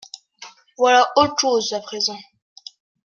Voilà autre chose, à présent…